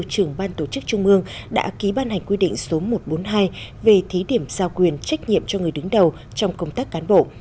trưởng ban tổ chức trung ương đã ký ban hành quy định số một trăm bốn mươi hai về thí điểm giao quyền trách nhiệm cho người đứng đầu trong công tác cán bộ